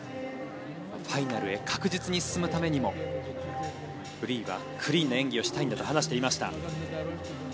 ファイナルへ確実に進むためにもフリーはクリーンな演技をしたいんだと話していました。